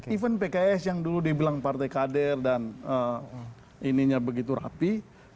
even pks yang dulu dibilang partai kader dan ininya begitu rapi